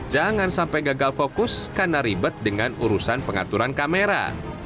jangan sampai gagal fokus karena ribet dengan urusan pengaturan kamera